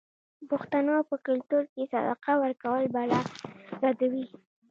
د پښتنو په کلتور کې صدقه ورکول بلا ردوي.